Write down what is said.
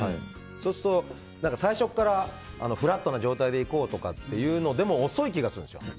そうすると、最初からフラットな状態でいこうとかっていうのでも遅い気がするんですよ。